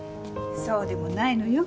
そうでもないのよ。